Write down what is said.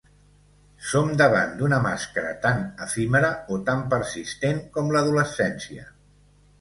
Som davant d'una màscara tan efímera o tan persistent com l'adolescència.